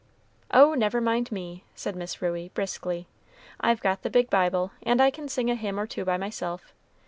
"Oh! never mind me," said Miss Ruey, briskly. "I've got the big Bible, and I can sing a hymn or two by myself.